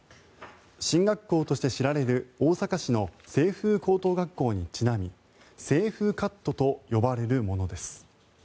進学校として知られる大阪市の清風高等学校にちなみ清風カットと呼ばれるものです。